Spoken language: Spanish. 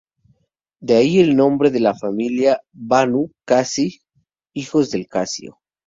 De ahí el nombre de la familia, Banu Qasi: ‘hijos de Casio’.